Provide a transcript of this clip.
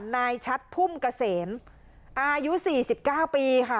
นายชัดพุ่มเกษมอายุ๔๙ปีค่ะ